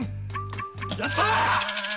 やった！